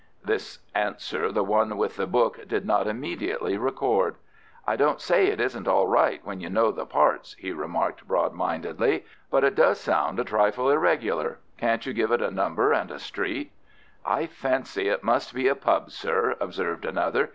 This answer the one with the book did not immediately record. "I don't say it isn't all right when you know the parts," he remarked broad mindedly, "but it does sound a trifle irregular. Can't you give it a number and a street?" "I fancy it must be a pub, sir," observed another.